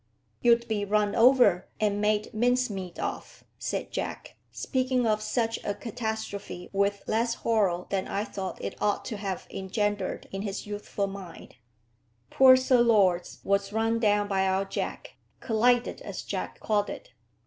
"You'd be run over and made mince meat of," said Jack, speaking of such a catastrophe with less horror than I thought it ought to have engendered in his youthful mind. Poor Sir Lords was run down by our Jack, collided as Jack called it.